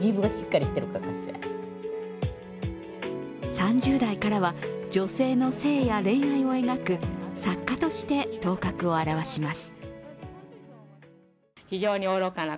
３０代からは女性の性や恋愛を描く作家として頭角を現します。